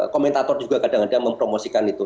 komentator juga kadang kadang mempromosikan itu